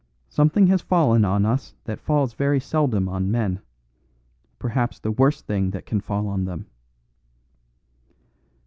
Something has fallen on us that falls very seldom on men; perhaps the worst thing that can fall on them."